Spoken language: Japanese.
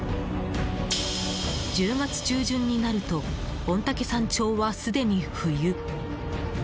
１０月中旬になると御嶽山頂はすでに冬。